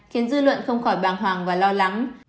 khiến dư luận không khỏi bàng hoàng và lo lắng